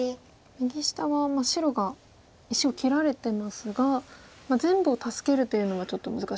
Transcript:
右下は白が石を切られてますが全部を助けるというのはちょっと難しい。